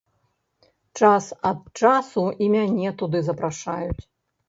Час ад часу і мяне туды запрашаюць.